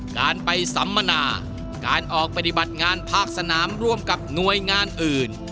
การไปสัมมนาการออกปฏิบัติงานภาคสนามร่วมกับหน่วยงานอื่น